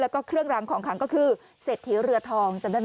แล้วก็เครื่องรางของขังก็คือเศรษฐีเรือทองจำได้ไหม